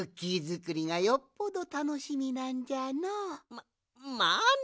ままあね。